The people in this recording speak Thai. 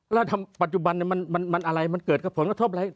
แล้วทำปัจจุบันมันอะไรมันเกิดกับผลกระทบอะไร